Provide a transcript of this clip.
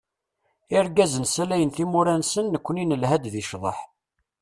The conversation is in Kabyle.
Irgazen salayen timura-nsen, nekkni nelha-d di cḍeḥ.